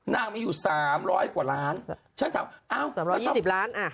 นางมีอยู่สามร้อยกว่าร้านฉันถามเอ้าสามร้อยยี่สิบล้านอ่ะ